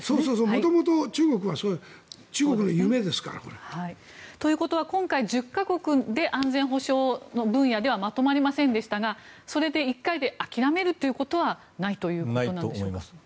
元々、中国は中国の夢ですから。ということは今回１０か国で安全保障の分野ではまとまりませんでしたがそれで１回で諦めるということはないということでしょうか？